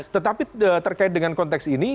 tetapi terkait dengan konteks ini